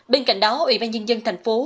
bên cạnh đó ủy ban nhân dân thành phố